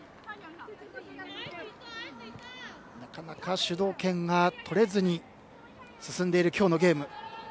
なかなか主導権がとれずに進んでいる今日のゲーム。